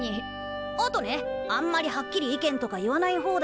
あとねあんまりはっきり意見とか言わない方だし。